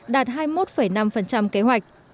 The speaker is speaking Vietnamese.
đạt hai mươi một năm kế hoạch